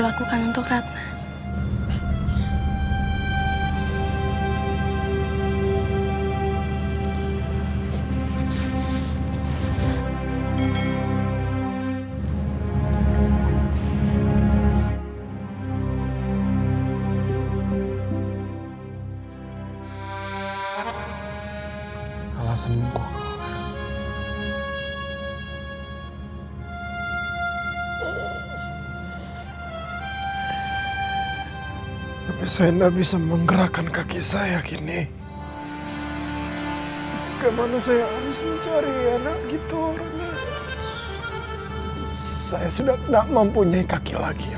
saya sudah gak mempunyai kaki lagi